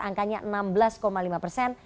angkanya enam belas lima persen